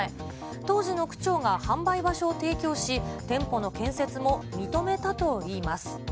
当時の区長が販売場所を提供し、店舗の建設も認めたといいます。